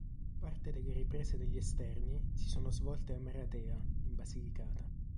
Parte delle riprese degli esterni si sono svolte a Maratea, in Basilicata.